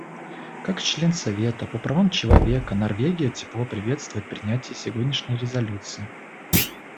Как член Совета по правам человека Норвегия тепло приветствует принятие сегодняшней резолюции.